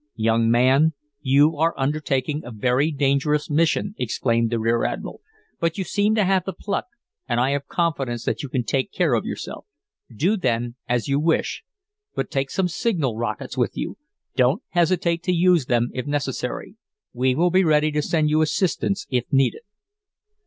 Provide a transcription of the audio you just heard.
"Young man, you are undertaking a very dangerous mission," exclaimed the rear admiral. "But you seem to have the pluck, and I have confidence that you can take care of yourself. Do then as you wish, but take some signal rockets with you. Don't hesitate to use them if necessary. We will be ready to send you assistance if needed."